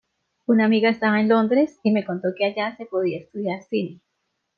Una amiga estaba en Londres y me contó que allá se podía estudiar cine.